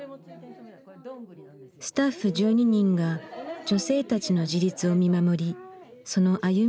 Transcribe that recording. スタッフ１２人が女性たちの自立を見守りその歩みにつきあう。